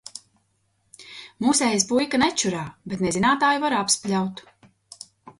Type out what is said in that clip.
Mūsējais puika nečurā, bet nezinātāju var apspļaut.